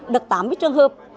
được tám trường hợp